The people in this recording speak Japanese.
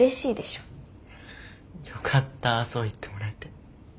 よかったそう言ってもらえて。